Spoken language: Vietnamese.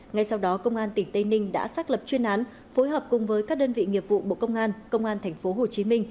ngay sau đó công an tỉnh tây ninh đã xác lập chuyên án phối hợp cùng với các đơn vị nghiệp vụ bộ công an công an tp hcm